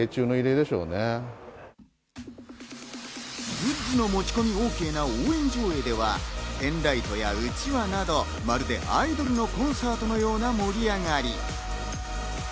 グッズの持ち込みＯＫな応援上映では、ペンライトやうちわなど、まるでアイドルのコンサートのような盛り上がり。